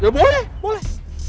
ya boleh boleh